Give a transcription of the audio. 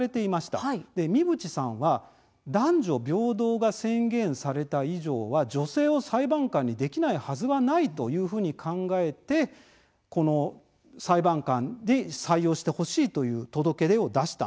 三淵さんは男女平等が宣言された以上は女性を裁判官にできないはずはないというふうに考えてこの裁判官に採用してほしいという届け出を出したんです。